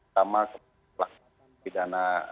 sama kepelakuan pidana